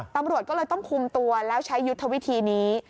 ตำรวจก็เลยต้องคุมตัวแล้วใช้ยุทธวิธีนี้